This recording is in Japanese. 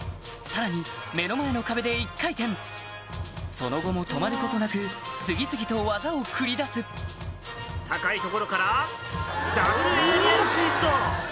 さらに目の前の壁で１回転その後も止まることなく次々と技を繰り出す高い所からダブルエアリアルツイスト！